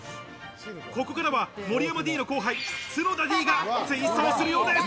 ここからは森山Ｄの後輩・角田Ｄが追走するようです。